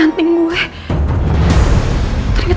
berhubungan juga dengan aku